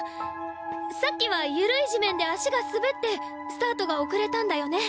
さっきは緩い地面で足が滑ってスタートが遅れたんだよね？